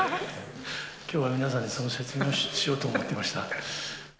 きょうは皆さんにその説明をしようと思ってました。